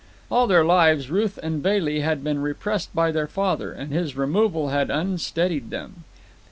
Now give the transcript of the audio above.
All their lives Ruth and Bailey had been repressed by their father, and his removal had unsteadied them.